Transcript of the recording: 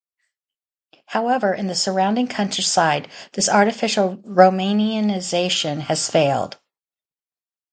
However, in the surrounding countryside this artificial Romanianization has failed.